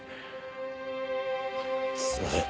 すいません。